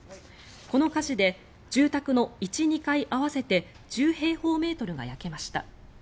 この火事で住宅の１、２階合わせて１０平方メートルが焼けました。